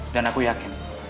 dan aku yakin